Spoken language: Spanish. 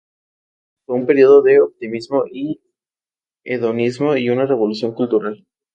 Fue un período de optimismo y hedonismo, y una revolución cultural.